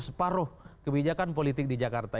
separuh kebijakan politik di jakarta